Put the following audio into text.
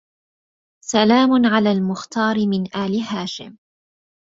سلام على المختار من آل هاشم